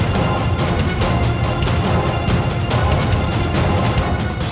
kau mau kemana